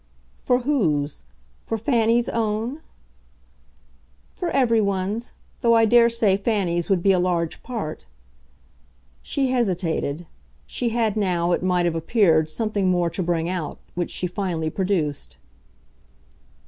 "For whose? For Fanny's own?" "For everyone's though I dare say Fanny's would be a large part." She hesitated; she had now, it might have appeared, something more to bring out, which she finally produced.